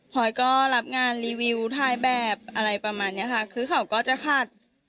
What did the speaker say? พอยก็รับงานรีวิวถ่ายแบบอะไรประมาณนี้ค่ะคือเขาก็จะขาด